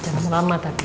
jangan lama tapi ya